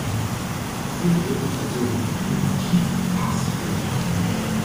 Sie wirkt also wie ein Tiefpassfilter.